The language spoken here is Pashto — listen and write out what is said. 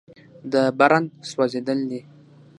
د برن سوځېدل دي.